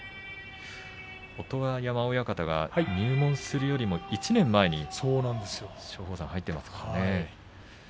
音羽山親方が入門するよりも１年前に松鳳山、入っていますからね。